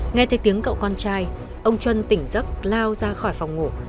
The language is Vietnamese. nghe thấy tiếng cậu con trai ông chuyên tỉnh giấc lao ra khỏi phòng ngủ